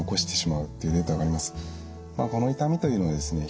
まあこの痛みというのはですね